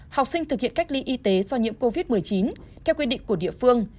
học sinh thực hiện cách ly y tế do nhiễm covid một mươi chín theo quy định của địa phương